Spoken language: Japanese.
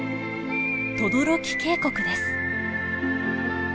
等々力渓谷です。